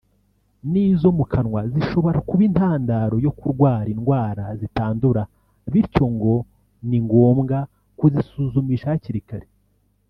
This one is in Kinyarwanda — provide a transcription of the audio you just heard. n’izo mu kanwa zishobora kuba intandaro yo kurwara indwara zitandura bityo ngo ni ngombwa kuzisuzumisha kakiri kare